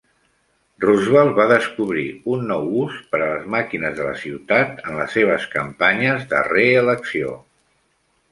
Roosevelt va descobrir un nou ús per les màquines de la ciutat en les seves campanyes de reelecció.